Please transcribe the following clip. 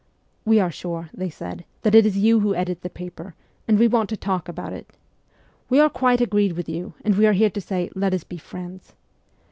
' We are sure/ they said, ' that it is you who edit the paper, and we want to talk about it. We are quite agreed with you, and we are here to say, " Let us be friends."